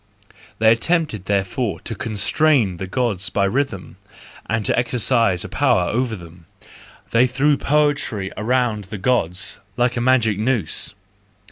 They attempted, therefore, to constrain the Gods by rhythm and to exercise a power over them; they threw poetry around the Gods like a magic noose.